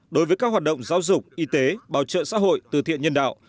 đối với các hoạt động giáo dục y tế bảo trợ xã hội từ thiện nhân đạo